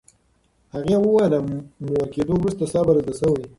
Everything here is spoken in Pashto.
هغې وویل، مور کېدو وروسته صبر زده شوی.